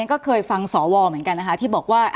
ก็เคยฟังสวเหมือนกันนะคะที่บอกว่า